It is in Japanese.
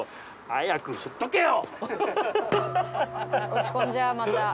落ち込んじゃうまた。